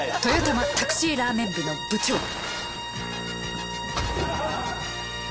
豊玉タクシーラーメン部の部長。